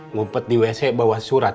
ngumpet di wc bawa surat